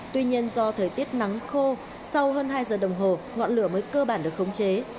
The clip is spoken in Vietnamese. tuy nhiên do thời tiết nắng khô sau hơn hai giờ đồng hồ ngọn lửa mới cơ bản được khống chế